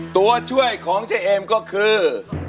ตัวช่วยของเจ๊เอมก็คือ